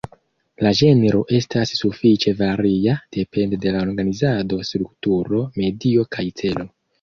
La ĝenro estas sufiĉe varia, depende de la organizado, strukturo, medio kaj celo.